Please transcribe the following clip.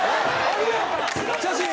写真！